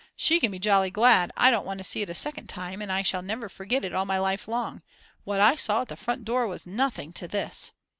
She can be jolly glad, I don't want to see it a second time, and I shall never forget it all my life long; what I saw at the front door was nothing to this.